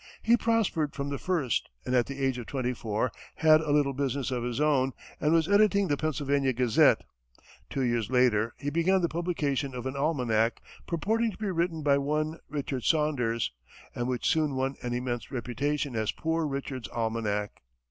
He prospered from the first, and at the age of twenty four, had a little business of his own, and was editing the Pennsylvania Gazette. Two years later, he began the publication of an almanac purporting to be written by one Richard Saunders, and which soon won an immense reputation as "Poor Richard's Almanac."